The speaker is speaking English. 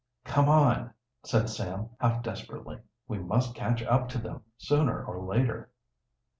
"Come on," said Sam half desperately. "We must catch up to them, sooner or later."